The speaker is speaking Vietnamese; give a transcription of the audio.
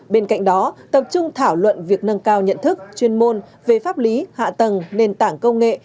bên cạnh đó tập trung thảo luận việc nâng cao nhận thức chuyên môn về pháp lý hạ tầng nền tảng công nghệ